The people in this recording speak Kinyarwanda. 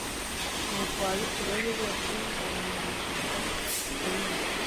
nuko abayisraheli bose baramuririra bikomeye